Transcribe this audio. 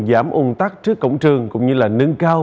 giảm ung tắc trước cổng trường cũng như là nâng cao